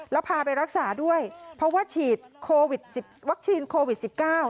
แล้วพาไปรักษาด้วยเพราะว่าฉีดโควิดสิบวัคซีนโควิดสิบเก้า